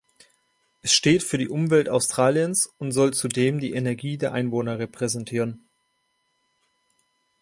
Es steht für die Umwelt Australiens und soll zudem die Energie der Einwohner repräsentieren.